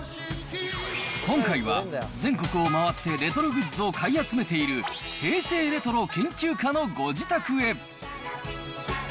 今回は、全国を回ってレトログッズを買い集めている平成レトロ研究家のご自宅へ。